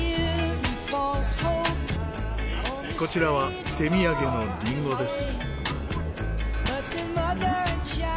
こちらは手土産のリンゴです。